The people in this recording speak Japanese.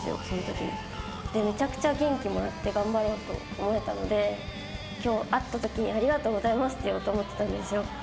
そのときに。でめちゃくちゃ元気もらって頑張ろうと思えたので今日会ったときにありがとうございますって言おうと思ってたんですよ。